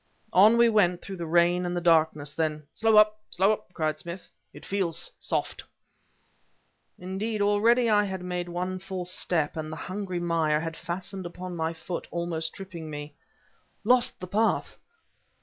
On we went through the rain and the darkness; then: "Slow up! slow up!" cried Smith. "It feels soft!" Indeed, already I had made one false step and the hungry mire had fastened upon my foot, almost tripping me. "Lost the path!"